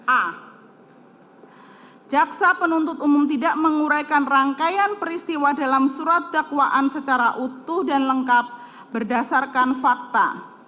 a jaksa penuntut umum tidak menguraikan rangkaian peristiwa dalam surat dakwaan secara utuh dan lengkap berdasarkan fakta